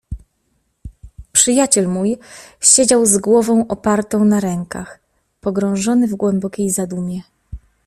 "Przyjaciel mój siedział z głową opartą na rękach, pogrążony w głębokiej zadumie."